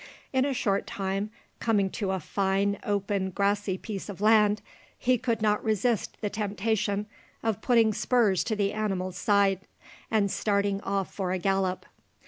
In a short time, coming to a fine open, grassy piece of land, he could not resist the temptation of putting spurs to the animal's side, and starting off for a gallop.